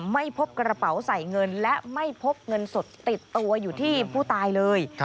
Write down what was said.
ไม่พบกระเป๋าใส่เงินและไม่พบเงินสดติดตัวอยู่ที่ผู้ตายเลย